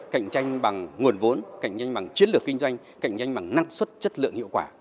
cạnh tranh bằng nguồn vốn cạnh tranh bằng chiến lược kinh doanh cạnh tranh bằng năng suất chất lượng hiệu quả